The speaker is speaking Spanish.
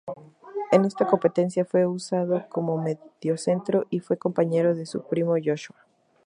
En esta competencia fue usado como mediocentro y fue compañero de su primo Joshua.